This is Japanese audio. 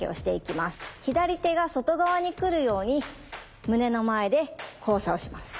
左手が外側に来るように胸の前で交差をします。